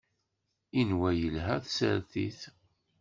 Yenwa yelha tsertit.